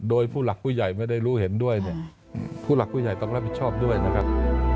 โดยผู้หลักผู้ใหญ่ไม่ได้รู้เห็นด้วยเนี่ยผู้หลักผู้ใหญ่ต้องรับผิดชอบด้วยนะครับ